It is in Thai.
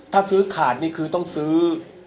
ถ้าซื้อขาดนี่คือต้องซื้อ